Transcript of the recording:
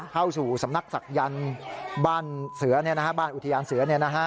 เข้าสู่สำนักศักยันต์บ้านเสือบ้านอุทยานเสือ